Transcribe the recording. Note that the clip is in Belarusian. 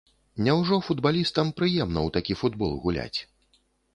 Няўжо футбалістам прыемна ў такі футбол гуляць.